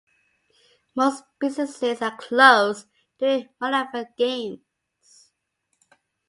Most businesses are closed during Malavan games.